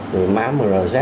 rồi mã mrz